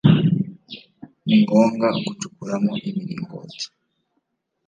Ni ngombwa gucukuramo imiringoti